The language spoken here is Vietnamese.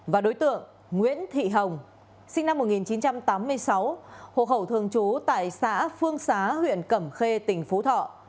và đối tượng nguyễn thị hồng sinh năm một nghìn chín trăm tám mươi sáu hộ khẩu thường trú tại xã phương xá huyện cẩm khê tỉnh phú thọ